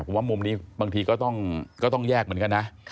ผมว่ามุมนี้บางทีก็ต้องแยกเหมือนกันนะ